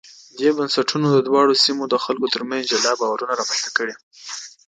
دې بنسټونو د دواړو سیمو د خلکو ترمنځ جلا باورونه رامنځته کړي.